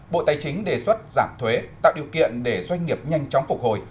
bộ tài chính đề xuất giảm thuế tạo điều kiện để doanh nghiệp nhanh chóng phục hồi